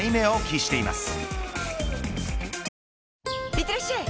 いってらっしゃい！